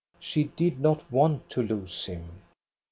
She did not want to lose him.